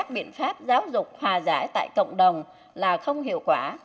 bà giải tại cộng đồng là không hiệu quả